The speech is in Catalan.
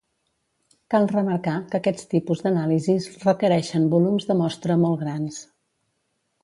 Cal remarcar que aquests tipus d'anàlisis requereixen volums de mostra molt grans.